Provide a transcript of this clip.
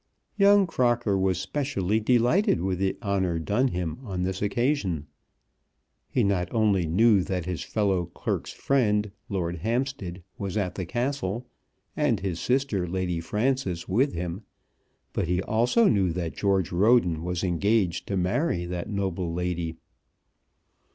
Young Crocker was specially delighted with the honour done him on this occasion. He not only knew that his fellow clerk's friend, Lord Hampstead, was at the Castle, and his sister, Lady Frances, with him; but he also knew that George Roden was engaged to marry that noble lady!